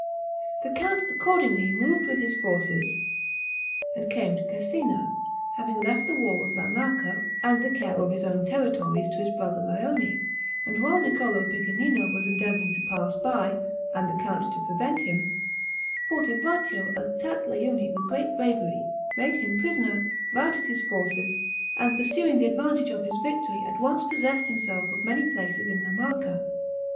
The count accordingly moved with his forces, and came to Cesena, having left the war of La Marca and the care of his own territories to his brother Lione; and while Niccolo Piccinino was endeavoring to pass by, and the count to prevent him, Fortebraccio attacked Lione with great bravery, made him prisoner, routed his forces, and pursuing the advantage of his victory, at once possessed himself of many places in La Marca.